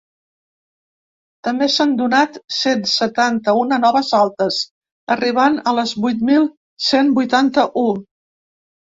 També s’han donat cent setanta-una noves altes, arribant a les vuit mil cent vuitanta-u.